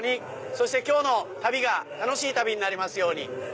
そして今日の旅が楽しい旅になりますように。